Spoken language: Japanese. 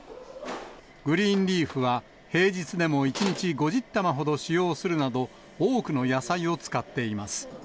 グリーンリーフは、平日でも１日５０玉ほど使用するなど、多くの野菜を使っています。